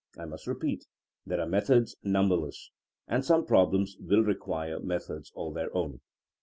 I must repeat: there are methods numberless, and some problems will require methods all their own.